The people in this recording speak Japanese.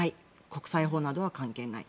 国際法などは関係ない。